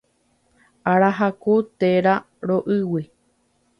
Arahaku térã roʼýgui.